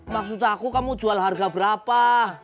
maksud aku kamu jual harga berapa